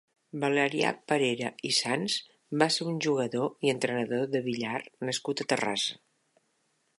Valerià Parera i Sans va ser un jugador i entrenador de billar nascut a Terrassa.